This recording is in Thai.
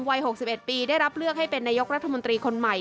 วัย๖๑ปีได้รับเลือกให้เป็นนายกรัฐมนตรีคนใหม่